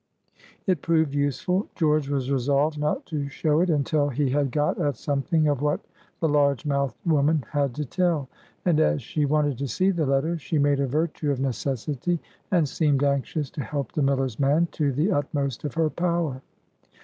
It proved useful. George was resolved not to show it until he had got at something of what the large mouthed woman had to tell; and, as she wanted to see the letter, she made a virtue of necessity, and seemed anxious to help the miller's man to the utmost of her power.